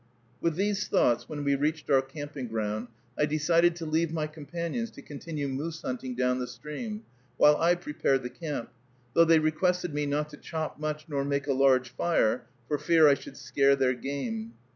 With these thoughts, when we reached our camping ground, I decided to leave my companions to continue moose hunting down the stream, while I prepared the camp, though they requested me not to chop much nor make a large fire, for fear I should scare their game.